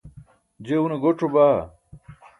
je une guc̣o baa